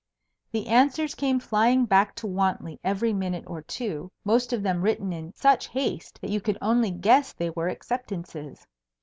The answers came flying back to Wantley every minute or two, most of them written in such haste that you could only guess they were acceptances.